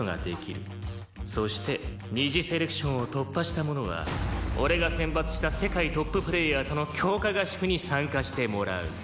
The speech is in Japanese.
そして二次セレクションを突破した者は俺が選抜した世界トッププレーヤーとの強化合宿に参加してもらう。